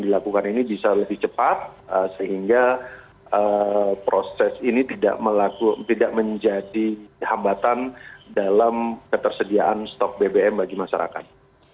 dilakukan ini bisa lebih cepat sehingga proses ini tidak menjadi hambatan dalam ketersediaan stok bbm bagi masyarakat